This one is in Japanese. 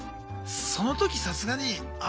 その時さすがにあ